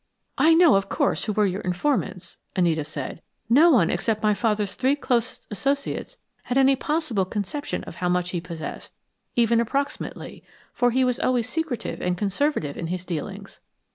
"I know, of course, who were your informants," Anita said. "No one except my father's three closest associates had any possible conception of how much he possessed, even approximately, for he was always secretive and conservative in his dealings.